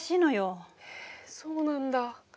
えそうなんだ。